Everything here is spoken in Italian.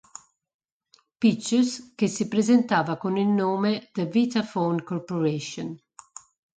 Pictures che si presentava con il nome The Vitaphone Corporation.